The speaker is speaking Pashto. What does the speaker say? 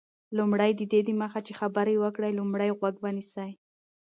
لومړی: ددې دمخه چي خبري وکړې، لومړی غوږ ونیسه.